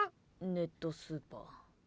ネットスーパー。